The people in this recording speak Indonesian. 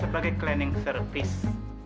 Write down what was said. sebagai cleaning service